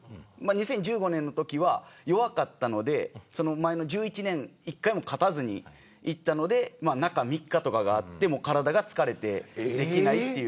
２０１５年のときは弱かったので前の２０１１年１回も勝たずに行ったので中３日とかがあって体が疲れて、できないという。